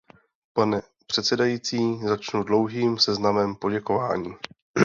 Pane předsedající, začnu dlouhým seznamem poděkování.